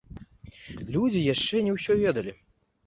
Людзі яшчэ не ўсе ведалі.